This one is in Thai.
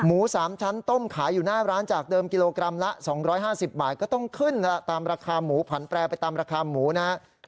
๓ชั้นต้มขายอยู่หน้าร้านจากเดิมกิโลกรัมละ๒๕๐บาทก็ต้องขึ้นตามราคาหมูผันแปรไปตามราคาหมูนะครับ